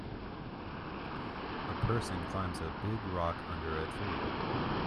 A person climbs a big rock under a tree.